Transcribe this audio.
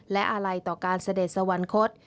และอาลัยต่อการเสด็จสวรรคต